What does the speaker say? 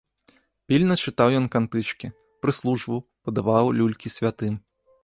Пільна чытаў ён кантычкі, прыслужваў, падаваў люлькі святым.